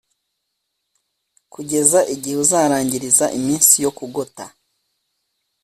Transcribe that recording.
kugeza igihe uzarangiriza iminsi yo kugota